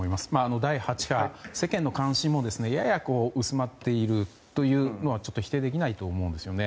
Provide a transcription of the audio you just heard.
第８波、世間の関心もやや薄まっているというのはちょっと否定できないと思うんですね。